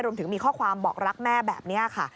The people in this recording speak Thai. รวมถึงมีข้อความบอกรักแม่แบบนี้ค่ะ